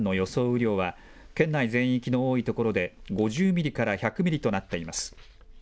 雨量は、県内全域の多い所で５０ミリから１００ミリとなっています。